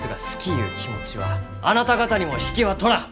ゆう気持ちはあなた方にも引けはとらん！